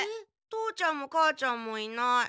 父ちゃんも母ちゃんもいない。